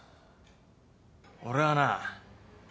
俺はな。